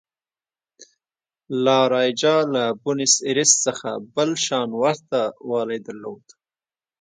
لا رایجا له بونیس ایرس څخه بل شان ورته والی درلود.